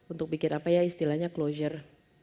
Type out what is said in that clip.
untuk bikin apa ya istilahnya closure